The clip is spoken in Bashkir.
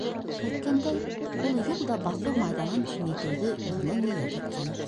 Әйткәндәй, ул йыл да баҫыу майҙанын киңәйтеүҙе үҙенә ниәт иткән.